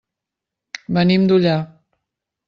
Venim d'Ullà.